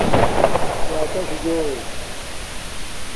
راکاشُو جو